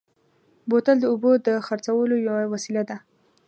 بوتل د اوبو د خرڅلاو یوه وسیله ده.